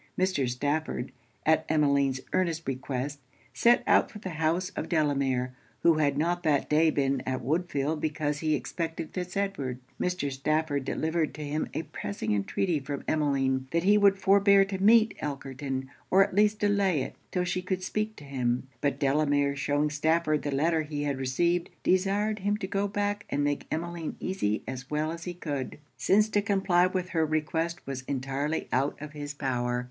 Mr. Stafford, at Emmeline's earnest request, set out for the house of Delamere, who had not that day been at Woodfield because he expected Fitz Edward. Mr. Stafford delivered to him a pressing entreaty from Emmeline that he would forbear to meet Elkerton, or at least delay it 'till she could speak to him; but Delamere shewing Stafford the letter he had received, desired him to go back and make Emmeline easy as well as he could, since to comply with her request was entirely out of his power.